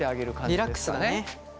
リラックスだね。